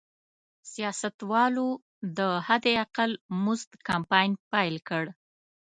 سیاستوالو د حداقل مزد کمپاین پیل کړ.